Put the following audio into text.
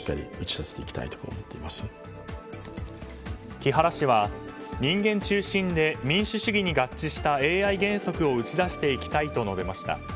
木原氏は、人間中心で民主主義に合致したＡＩ原則を打ち出していきたいと述べました。